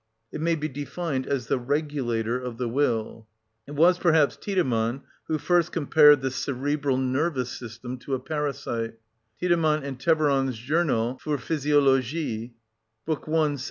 It may be defined as the regulator of the will. It was perhaps Tiedemann who first compared the cerebral nervous system to a parasite (Tiedemann und Trevirann's Journal für Physiologie, Bd. i.